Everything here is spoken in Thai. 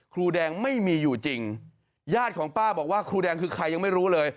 ครูแดงไม่มีอยู่จริงญาติของป้าบอกว่าครูแดงคือใครยังไม่รู้เลย